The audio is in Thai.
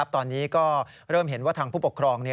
ตอนนี้ก็เริ่มเห็นว่าทางผู้ปกครอง